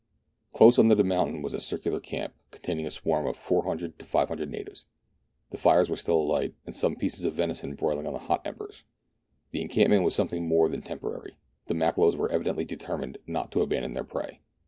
Close under the mountain was the circular camp, containing a swarm of 400 to 500 natives. The fires were still alight. i8a meridiana; the adventures of and some pieces of venison broiling on the hot embers. The encampment was something more than temporary; the Makololos were evidently determined not to abandon their prey.